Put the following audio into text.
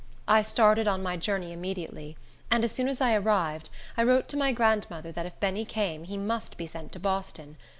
I started on my journey immediately; and as soon as I arrived, I wrote to my grandmother that if Benny came, he must be sent to Boston.